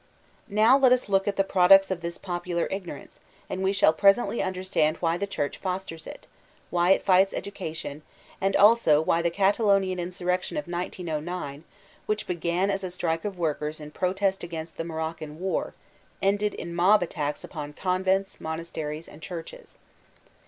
Now let us )ook at the i»t>ducts of this popubtf ignor ance, and we shall presently understand why the Church fosters it, why it fights education; and also why the Catalonian insurrection of 1909, which began as a strike of workers in protest against the Moroccan war, ended in mob attacks upon convents, monasteries, and churches.